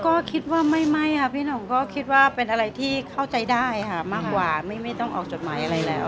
ก็คิดว่าไม่ค่ะพี่หน่องก็คิดว่าเป็นอะไรที่เข้าใจได้ค่ะมากกว่าไม่ต้องออกจดหมายอะไรแล้ว